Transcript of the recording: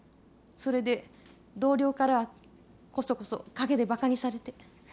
それで同僚からはこそこそ陰でばかにされて。